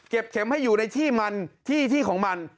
เก็บเข็มให้อยู่ในที่มันที่ของมัน